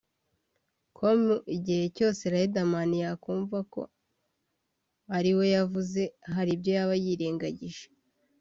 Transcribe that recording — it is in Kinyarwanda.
com ko igihe cyose Riderman yakumva ko ariwe yavuze hari ibyo yaba yirengagije